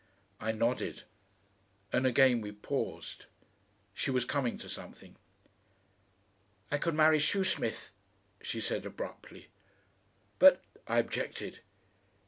I nodded, and again we paused. She was coming to something. "I could marry Shoesmith," she said abruptly. "But " I objected.